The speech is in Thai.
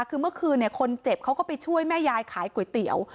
คือเมื่อคืนคนเจ็บเขาก็ไปช่วยแม่ยายขายก๋วยเตี๋ยว